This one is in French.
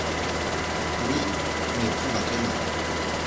Oui !… mais plus maintenant.